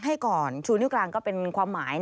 ให้ก่อนชูนิ้วกลางก็เป็นความหมาย